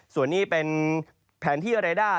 ส่วนนี้เป็นแผนที่เรด้า